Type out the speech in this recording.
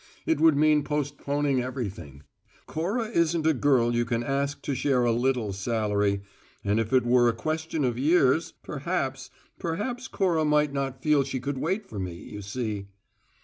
It would mean postponing everything. Cora isn't a girl you can ask to share a little salary, and if it were a question of years, perhaps perhaps Cora might not feel she could wait for me, you see."